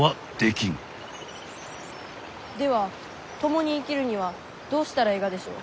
では共に生きるにはどうしたらえいがでしょう？